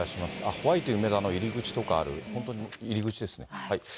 ホワイティうめだの入り口とかある、本当に入り口ですね。